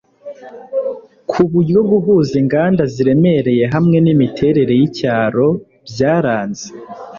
ku buryo guhuza inganda ziremereye hamwe n'imiterere y'icyaro byaranze